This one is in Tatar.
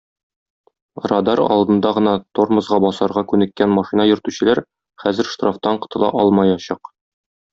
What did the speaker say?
Радар алдында гына тормозга басарга күнеккән машина йөртүчеләр хәзер штрафтан котыла алмаячак.